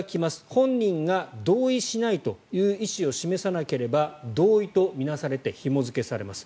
本人が同意しないという意思を示さなければ同意と見なされてひも付けされます。